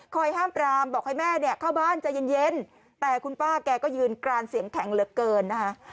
ห้ามปรามบอกให้แม่เนี่ยเข้าบ้านใจเย็นแต่คุณป้าแกก็ยืนกรานเสียงแข็งเหลือเกินนะคะ